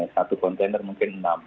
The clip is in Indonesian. satu container mungkin enam